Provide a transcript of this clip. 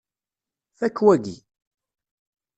Fakk waki!